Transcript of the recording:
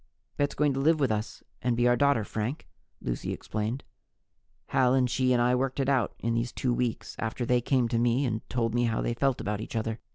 "Bet's going to live with us and be our daughter, Frank," Lucy explained. "Hal and she and I worked it out in these two weeks, after they came to me and told me how they felt about each other.